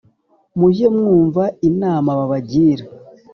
mujye mwumva inama babagira